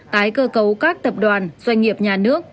tái cơ cấu các tập đoàn doanh nghiệp nhà nước